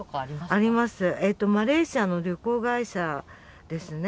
あります、マレーシアの旅行会社ですね。